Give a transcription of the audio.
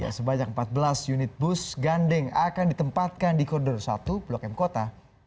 sebanyak empat belas unit bus gandeng akan ditempatkan di koridor satu blok m kota